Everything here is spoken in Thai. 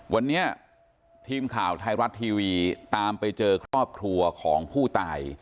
วันนี้ทีมข่าวไทยรัฐทีวีตามไปเจอครอบครัวของผู้ตาย